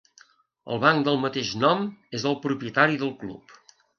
El banc del mateix nom és el propietari del club.